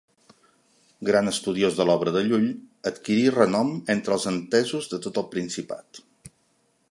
Gran estudiós de l'obra de Llull, adquirí renom entre els entesos de tot el Principat.